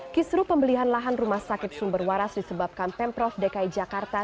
kisru pembelian lahan rumah sakit sumber waras disebabkan pemprov dki jakarta